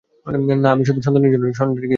না, আমি শুধু অনুসন্ধানের জন্য গিয়েছিলাম স্যার।